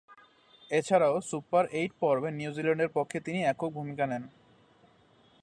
এছাড়াও, super eight পর্বে নিউজিল্যান্ডের পক্ষেও তিনি একই ভূমিকা নেন।